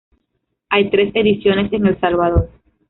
Hay tres ediciones en El Salvador.